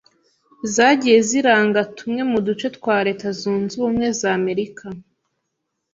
zagiye ziranga tumwe mu duce twa leta zunze ubumwe z’Amerika,